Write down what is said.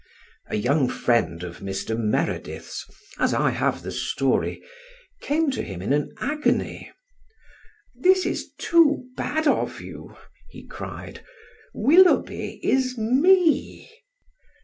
A young friend of Mr. Meredith's (as I have the story) came to him in an agony. "This is too bad of you," he cried. "Willoughby is me!"